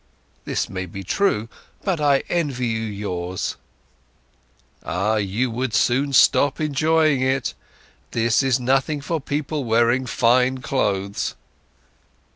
"This may be true. But I envy you for yours." "Ah, you would soon stop enjoying it. This is nothing for people wearing fine clothes."